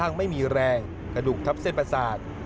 ไม่มีแรงกระดูกทับเส้นประสาท